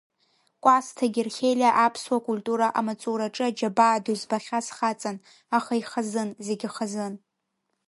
Кәасҭа Герхелиа аԥсуа культура амаҵураҿы аџьабаа ду збахьаз хаҵан, аха ихазын, зегь хазын.